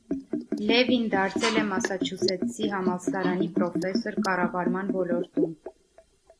Լևին դարձել է Մասաչուսեթսի համալսարանի պրոֆեսոր կառավարման ոլորտում։